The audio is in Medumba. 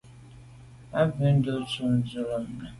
A bwô ndù o tum dù’ z’o lem nà.